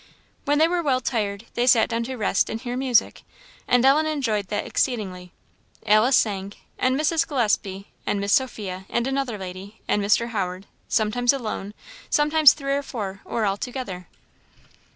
When they were well tired, they sat down to rest and hear music, and Ellen enjoyed that exceedingly. Alice sang, and Mrs. Gillespie, and Miss Sophia, and another lady, and Mr. Howard; sometimes alone, sometimes three or four, or all together.